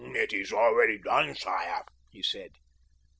"It is already done, sire," he said.